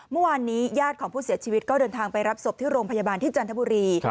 เมื่อวานนี้ญาติของผู้เสียชีวิตก็เดินทางไปรับศพที่โรงพยาบาลที่จันทบุรี